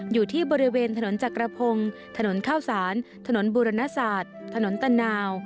อยู่ที่บริเวณถนนจักรพงศ์ถนนข้าวสารถนนบุรณศาสตร์ถนนตะนาว